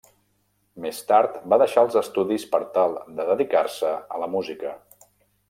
Més tard va deixar els estudis per tal de dedicar-se a la música.